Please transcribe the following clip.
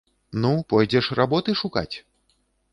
Ну, пойдзеш работы шукаць?